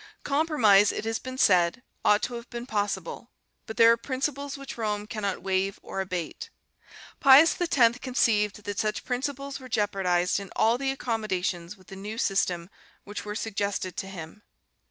Compromise, it has been said, ought to have been possible, but there are principles which Rome cannot waive or abate. Pius X conceived that such principles were jeopardized in all the accommodations with the new system which were suggested to him.